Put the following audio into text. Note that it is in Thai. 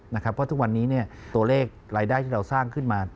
เพราะทุกวันนี้ตัวเลขรายได้ที่เราสร้างขึ้นมา